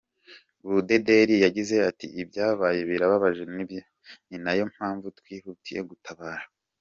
Budederi yagize ati”Ibyabaye birababje ni nayo mpavu twihutiye gutabara.